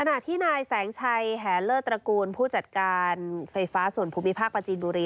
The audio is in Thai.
ขณะที่นายแสงชัยแหเลิศตระกูลผู้จัดการไฟฟ้าส่วนภูมิภาคประจีนบุรี